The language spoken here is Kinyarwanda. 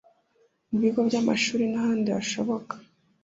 mu bigo by’amashuri n’ahandi hashoboka